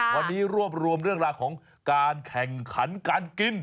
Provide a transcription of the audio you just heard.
วันนี้รวบรวมเรื่องราวของการแข่งขันการกิน